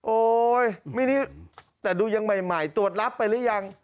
โอ๊ยไม่ได้แต่ดูยังใหม่ตรวจรับไปหรือยัง